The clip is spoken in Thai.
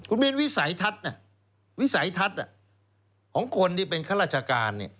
คุณมินวิสัยทัศน์วิสัยทัศน์ของคนที่เป็นข้าราชการ